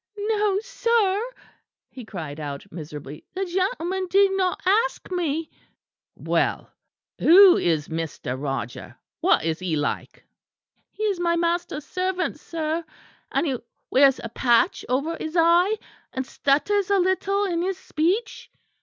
"No, sir," he cried out miserably, "the gentleman did not ask me." "Well, who is Mr. Roger? What is he like?" "He is my master's servant, sir; and he wears a patch over his eye; and stutters a little in his speech."